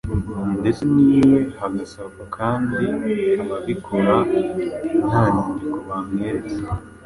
ndetse n'iwe hagasakwa kandi ababikora nta nyandiko bamweretse